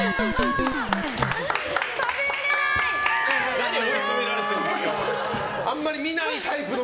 何で追い詰められてんの。